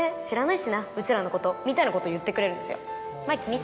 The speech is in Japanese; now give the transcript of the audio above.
みたいなこと言ってくれるんですよ。